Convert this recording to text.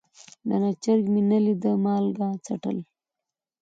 نه نه چرګ مې نه ليده مالګه څټل.